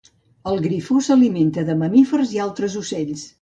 El grifó s'alimenta de mamífers i altres ocells.